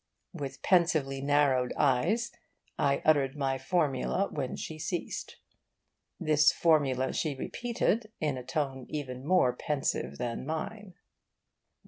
With pensively narrowed eyes, I uttered my formula when she ceased. This formula she repeated, in a tone even more pensive than mine.